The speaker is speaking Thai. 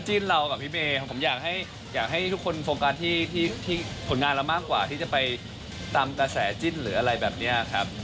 เรากับพี่เมย์ผมอยากให้ทุกคนโฟกัสที่ผลงานเรามากกว่าที่จะไปตามกระแสจิ้นหรืออะไรแบบนี้ครับ